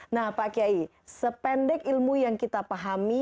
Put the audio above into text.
nah pak kiai sependek ilmu yang kita pahami